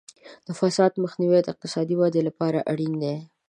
د فساد مخنیوی د اقتصادي ودې لپاره اړین دی.